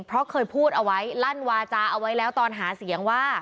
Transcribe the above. เพราะเคยพูดเอาไว้ลั่นวาจาเอาไว้แล้วตอนหาเสียงว่า